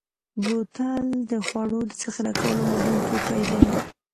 بوتل د خوړو د ذخیره کولو مهم توکی دی.